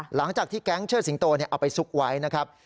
หลังจากที่แก๊งเชิดสิงโตเอาไปซุกไว้นะครับ